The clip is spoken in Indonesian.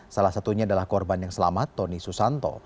salah satunya adalah korban yang selamat tony susanto